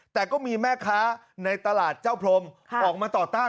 แต่ก็มีแม่ค้าในตลาดเจ้าพรมออกมาต่อต้าน